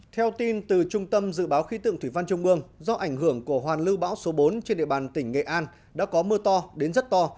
theo tin từ trung tâm dự báo khí tượng thủy văn trung ương do ảnh hưởng của hoàn lưu bão số bốn trên địa bàn tỉnh nghệ an đã có mưa to đến rất to